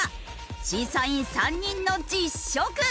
審査員３人の実食！